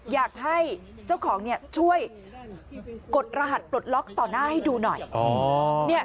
อยากให้เจ้าของช่วยกดรหัสปลดล็อกต่อหน้าให้ดูหน่อย